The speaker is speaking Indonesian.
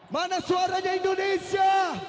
mana suaranya indonesia